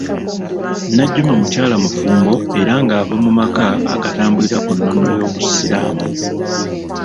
Najjuma mukyala mufumbo era ng'ava mu maka agatambulira ku nnono y'obusiraamu